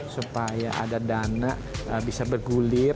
supaya ada dana bisa bergulir